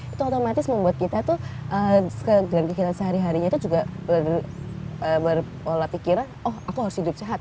itu otomatis membuat kita tuh dalam pikiran sehari harinya itu juga berpola pikiran oh aku harus hidup sehat